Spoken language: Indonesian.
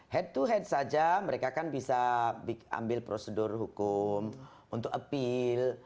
head to head saja mereka kan bisa ambil prosedur hukum untuk appeal